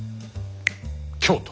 京都。